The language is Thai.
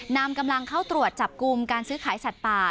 นำกำลังเข้าตรวจจับกลุ่มการซื้อขายสัตว์ป่า